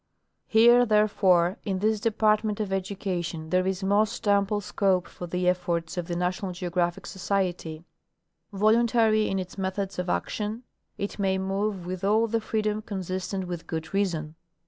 Here, therefore, in this Department of Education, there is most ample scope for the efforts of the National Geographic Society, Objects of the Society. 107 Voluntary in its methods of action, it may move with all the free dom consistent with good reason.